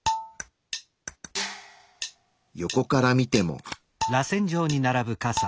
横から見ても。